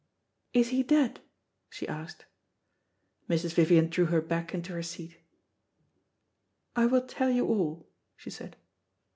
"Is he dead?" she asked. Mrs. Vivian drew her back into her seat. "I will tell you all," she said.